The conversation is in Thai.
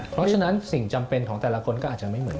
เพราะฉะนั้นสิ่งจำเป็นของแต่ละคนก็อาจจะไม่เหมือน